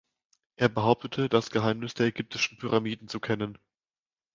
Er behauptete, das Geheimnis der ägyptischen Pyramiden zu kennen.